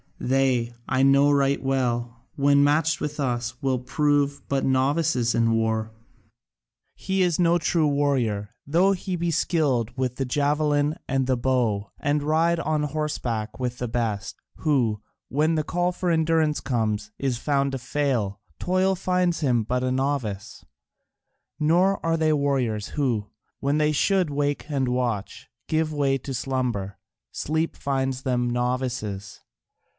They, I know right well, when matched with us, will prove but novices in war. He is no true warrior, though he be skilled with the javelin and the bow and ride on horseback with the best, who, when the call for endurance comes, is found to fail: toil finds him but a novice. Nor are they warriors who, when they should wake and watch, give way to slumber: sleep finds them novices.